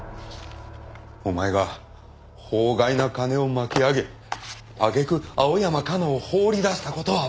お前が法外な金を巻き上げ揚げ句青山加奈を放り出した事はわかってるんだ。